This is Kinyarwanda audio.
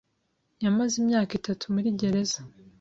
yamaze imyaka itatu muri gereza.